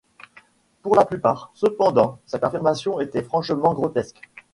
Pour la plupart, cependant, cette affirmation était franchement grotesque.